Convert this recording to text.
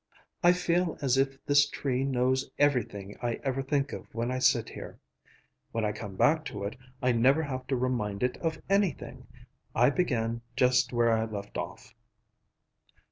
I feel as if this tree knows everything I ever think of when I sit here. When I come back to it, I never have to remind it of anything; I begin just where I left off."